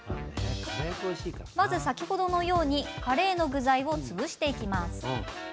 まず、先ほどのようにカレーの具材を潰していきます。